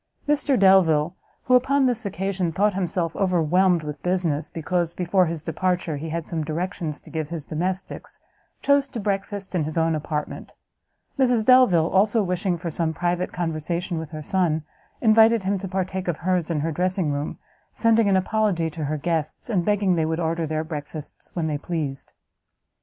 Mr Delvile, who, upon this occasion, thought himself overwhelmed with business, because, before his departure, he had some directions to give to his domestics, chose to breakfast in his own apartment; Mrs Delvile, also, wishing for some private conversation with her son, invited him to partake of hers in her dressing room, sending an apology to her guests, and begging they would order their breakfasts when they pleased.